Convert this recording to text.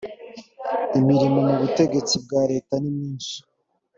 imirimo mu butegetsi bwa leta nimyinshi